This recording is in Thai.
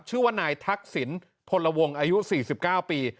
ชื่อว่านายทักษิณพลวงอายุ๔๙ปี